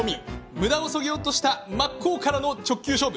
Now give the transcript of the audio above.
むだをそぎ落とした真っ向からの直球勝負。